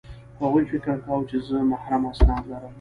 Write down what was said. هغوی فکر کاوه چې زه محرم اسناد لرم